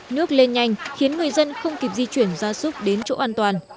nước lên nhanh khiến người dân không kịp di chuyển gia súc đến chỗ an toàn